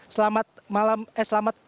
selamat malam eh selamat